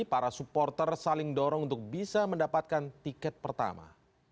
para supporter saling dorong untuk bisa mendapatkan tiket pertama